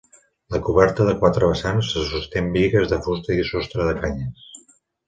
La coberta, de quatre vessants, se sosté amb bigues de fusta i sostre de canyes.